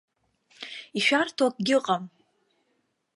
Ишәарҭоу акгьы ыҟам!